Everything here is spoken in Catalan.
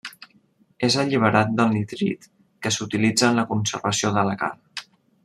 És alliberat del nitrit que s'utilitza en la conservació de la carn.